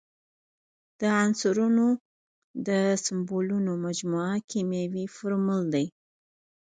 د عنصرونو د سمبولونو مجموعه کیمیاوي فورمول دی.